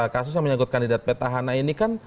kasus yang menyangkut kandidat petahana ini kan